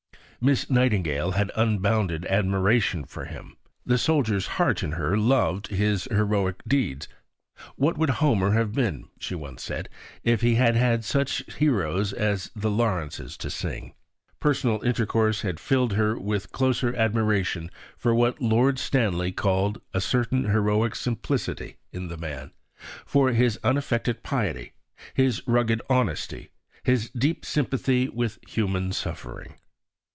Miss Nightingale had unbounded admiration for him. The soldier's heart in her loved his heroic deeds. "What would Homer have been," she once said, "if he had had such heroes as the Lawrences to sing?" Personal intercourse had filled her with closer admiration for what Lord Stanley called "a certain heroic simplicity" in the man, for his unaffected piety, his rugged honesty, his deep sympathy with human suffering.